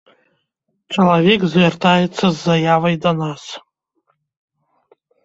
Чалавек звяртаецца з заявай да нас.